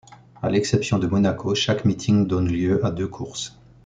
À l'exception de Monaco, chaque meeting donne lieu à deux courses.